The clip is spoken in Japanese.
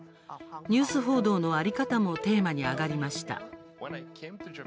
ニュース報道の在り方もテーマに上がりました。